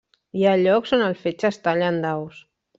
Hi ha llocs on el fetge es talla en daus.